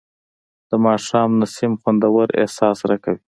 د ماښام نسیم خوندور احساس راکوي